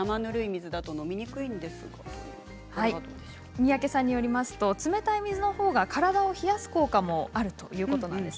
三宅さんによりますと冷たい水のほうが体を冷やす効果もあるということです。